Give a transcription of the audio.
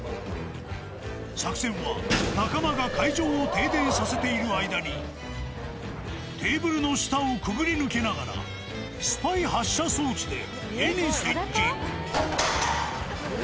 作戦は、仲間が会場を停電させている間に、テーブルの下をくぐり抜けながら、スパイ発射装置で絵に接近。